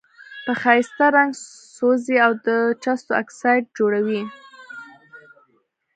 په ښایسته رنګ سوزي او د جستو اکسایډ جوړوي.